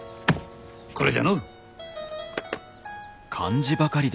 これじゃのう。